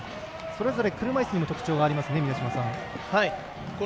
それぞれ車いすにも特徴がありますね。